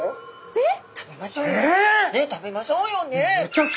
ねっ食べましょうよね！